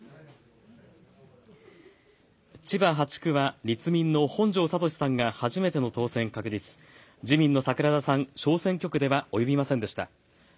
千葉８区は立民の本庄知史さんが初めての当選確実、自民の桜田さん、小選挙区では及びませんでした。